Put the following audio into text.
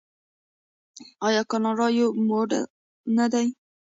آیا کاناډا یو موډل نه دی؟